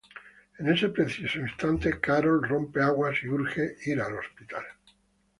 En ese preciso instante, Carol rompe aguas y urge ir al hospital.